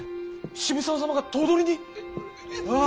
渋沢様が頭取に！